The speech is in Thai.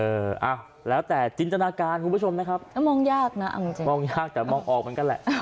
เออแล้วแต่จินตนาการคุณผู้ชมนะครับมองยากนะมองยากแต่มองออกเหมือนกันแหละ